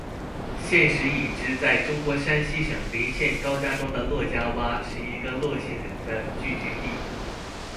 现时已知在中国山西省临县高家庄的雒家洼是一个雒姓人的聚居地。